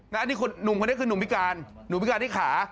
อันนี้หนุ่มคนนี้คือหนุ่มพิการหนุ่มพิการที่ขา